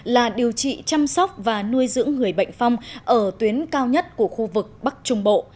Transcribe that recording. là điều trị chăm sóc và nuôi dưỡng người bệnh phong ở tuyến cao nhất của khu vực bắc trung bộ